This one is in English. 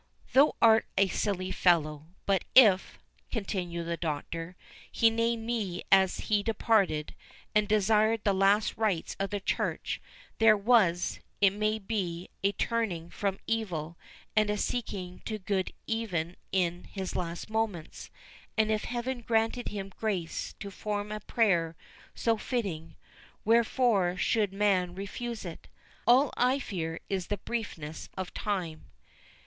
"Thou art a silly fellow; but if," continued the Doctor, "he named me as he departed, and desired the last rites of the Church, there was, it may be, a turning from evil and a seeking to good even in his last moments; and if Heaven granted him grace to form a prayer so fitting, wherefore should man refuse it? All I fear is the briefness of time."